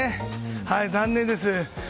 残念です。